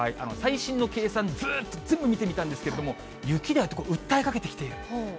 最新の計算、ずっと全部見てみたんですけれども、雪だと訴えかけてきている。